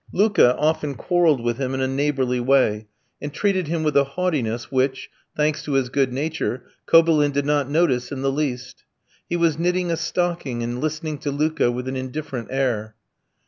Luka often quarrelled with him in a neighbourly way, and treated him with a haughtiness which, thanks to his good nature, Kobylin did not notice in the least. He was knitting a stocking, and listening to Luka with an indifferent air.